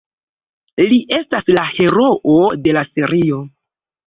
Li estas la heroo de la serio.